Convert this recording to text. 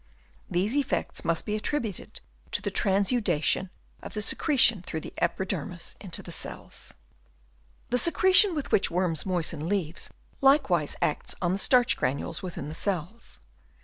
These effects must be attributed to the trans udation of the secretion through the epidermis into the cells. The secretion with which worms moisten leaves likewise acts on the starch granules Chap. I. FOOD AND DIGESTION. 43 within the cells.